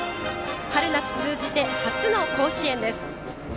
春夏通じて初の甲子園です。